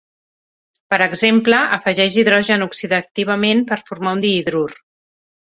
Per exemple, afegeix H oxidativament per formar un dihidrur.